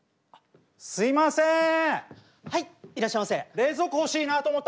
ああすいません。